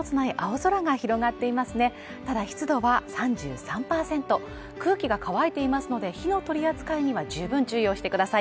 空気が乾いていますので火の取り扱いには十分注意をしてください。